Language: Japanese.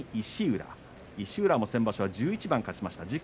石浦も先場所は１１番勝ちました。